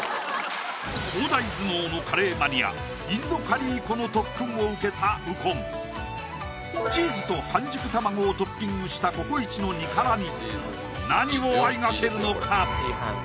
東大頭脳のカレーマニア印度カリー子の特訓を受けた右近チーズと半熟卵をトッピングしたＣｏＣｏ壱の２辛に何をあいがけるのか？